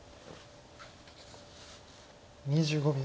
２５秒。